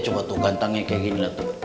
coba tuh gantengnya kayak gini lah tuh